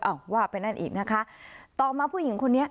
ว่าไปนั่นอีกนะคะต่อมาผู้หญิงคนนี้